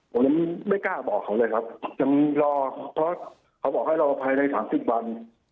ผมยังไม่กล้าบอกเขาเลยครับยังรอเพราะเขาบอกให้รอภายใน๓๐วัน